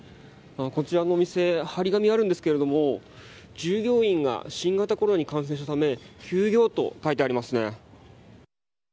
こちらのお店貼り紙があるんですけども従業員が新型コロナに感染したため休業と書いてありますね。